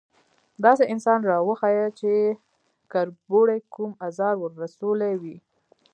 _داسې انسان راوښيه چې کربوړي کوم ازار ور رسولی وي؟